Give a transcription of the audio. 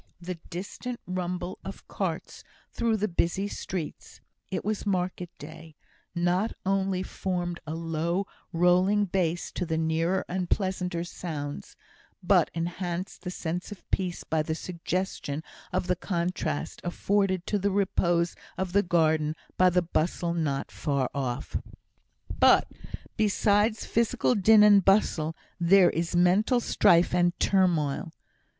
The distant rumble of carts through the busy streets (it was market day) not only formed a low rolling bass to the nearer and pleasanter sounds, but enhanced the sense of peace by the suggestion of the contrast afforded to the repose of the garden by the bustle not far off. But besides physical din and bustle, there is mental strife and turmoil.